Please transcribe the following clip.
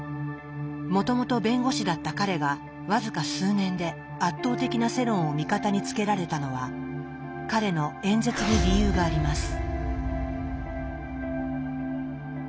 もともと弁護士だった彼が僅か数年で圧倒的な世論を味方につけられたのは彼の演説に理由があります。